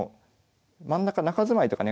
真ん中中住まいとかね